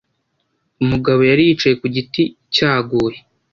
Umugabo yari yicaye ku giti cyaguye.